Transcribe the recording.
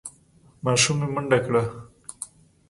ماشوم یې منډه کړه.